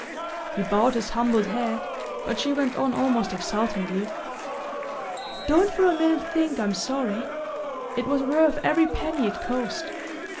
He bowed his humbled head, but she went on almost exultantly: "Don't for a minute think I'm sorry! It was worth every penny it cost.